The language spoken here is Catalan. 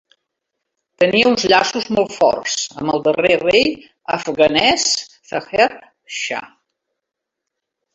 Tenia uns llaços molt forts amb el darrer rei afganès Zaher Shah.